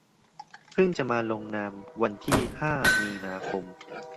พึ่งจะมาลงนามวันที่ ห้า มีนาคม